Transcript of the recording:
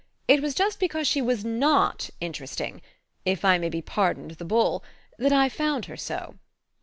It was just because she was NOT interesting if I may be pardoned the bull that I found her so.